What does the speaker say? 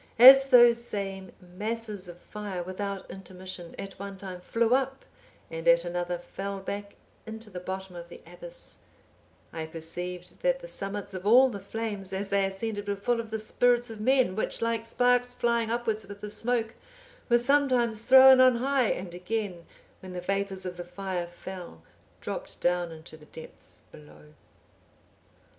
As those same masses of fire, without intermission, at one time flew up and at another fell back into the bottom of the abyss, I perceived that the summits of all the flames, as they ascended were full of the spirits of men, which, like sparks flying upwards with the smoke, were sometimes thrown on high, and again, when the vapours of the fire fell, dropped down into the depths below.